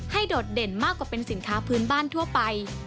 โดดเด่นมากกว่าเป็นสินค้าพื้นบ้านทั่วไป